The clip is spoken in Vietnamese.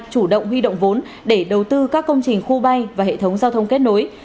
chủ động huy động vốn để đầu tư các công trình khu bay và hệ thống giao thông kết nối